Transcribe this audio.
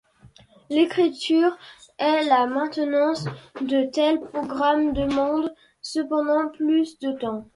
L'écriture et la maintenance de tels programmes demande cependant plus de temps.